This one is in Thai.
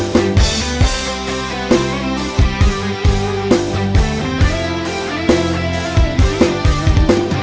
เพลง